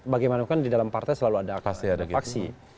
bagaimana bukan di dalam partai selalu ada paksi